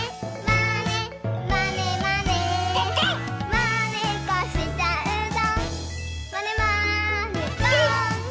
「まねっこしちゃうぞまねまねぽん！」